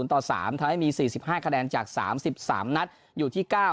ต่อ๓ทำให้มี๔๕คะแนนจาก๓๓นัดอยู่ที่๙